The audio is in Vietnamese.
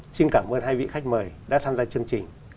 xin cảm ơn hai vị khách mời đã tham gia chương trình